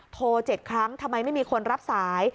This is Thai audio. โทร๗ครั้งทำไมไม่มีคนรับสาย